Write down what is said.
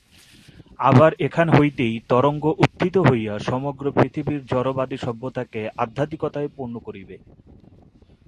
আবার এখান হইতেই তরঙ্গ উত্থিত হইয়া সমগ্র পৃথিবীর জড়বাদী সভ্যতাকে আধ্যাত্মিকতায় পূর্ণ করিবে।